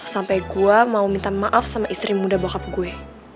sampai gue mau minta maaf sama istri muda bohab gue